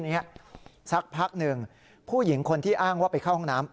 นี้สักพักหนึ่งผู้หญิงคนที่อ้างว่าไปเข้าห้องน้ำ